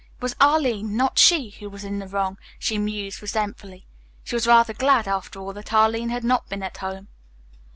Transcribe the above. It was Arline, not she, who was in the wrong, she mused resentfully. She was rather glad, after all, that Arline had not been at home.